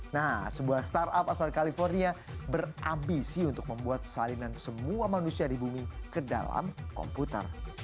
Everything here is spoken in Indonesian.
nah sebuah startup asal california berambisi untuk membuat salinan semua manusia di bumi ke dalam komputer